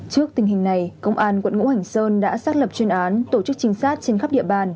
trước tình hình này công an quận ngũ hành sơn đã xác lập chuyên án tổ chức trinh sát trên khắp địa bàn